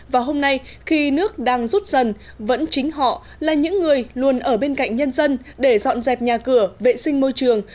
và hôm nay khi nước đang rút dần vẫn chính họ là những người luôn ở bên cạnh nhân dân để dọn dẹp nhà cửa vệ sinh môi trường